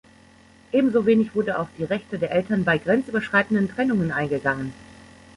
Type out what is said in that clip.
Ebenso wenig wurde auf die Rechte der Eltern bei grenzüberschreitenden Trennungen eingegangen.